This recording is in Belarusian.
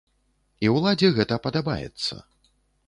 І ўладзе гэта падабаецца.